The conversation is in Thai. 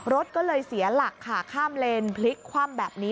รถก็เลยเสียหลักค่ะข้ามเลนพลิกคว่ำแบบนี้